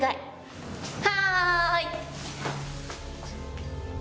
はい。